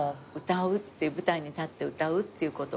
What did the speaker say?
舞台に立って歌うっていうことが。